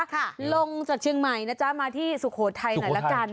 ค่ะลงจากเชียงใหม่นะจ๊ะมาที่สุโขทัยหน่อยละกัน